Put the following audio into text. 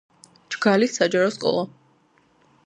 ჯგალის საჯარო სკოლა